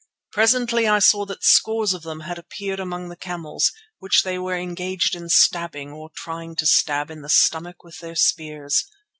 Presently I saw that scores of them had appeared among the camels, which they were engaged in stabbing, or trying to stab, in the stomach with their spears.